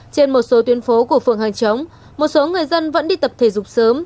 trên một số tuyến phố của phường hàng chống một số người dân vẫn đi tập thể dục sớm